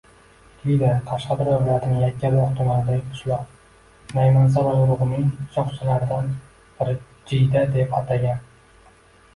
Jida - Qashqadaryo viloyatining Yakkabog‘ tumanidagi qishloq. Naymansaroy urug‘ining shohchalaridan biri jida deb atalgan.